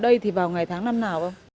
ở đây thì vào ngày tháng năm nào ạ